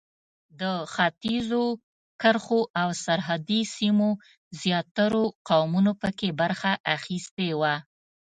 د ختیځو کرښو او سرحدي سیمو زیاترو قومونو په کې برخه اخیستې وه.